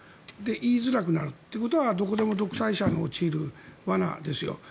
で、言いづらくなるというのはどこでも独裁者の陥る罠ですよ。